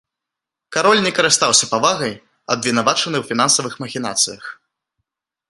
Кароль не карыстаўся павагай, абвінавачаны ў фінансавых махінацыях.